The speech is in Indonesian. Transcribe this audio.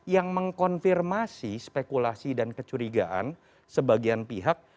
yang mengkonfirmasi spekulasi dan kecurigaan sebagian pihak